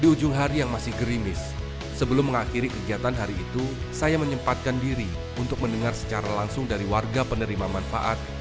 di ujung hari yang masih gerimis sebelum mengakhiri kegiatan hari itu saya menyempatkan diri untuk mendengar secara langsung dari warga penerima manfaat